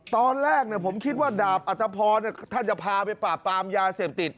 ตอนแรกผมคิดว่าดาบอัตภพรท่านจะพาไปปราบปรามยาเสพติด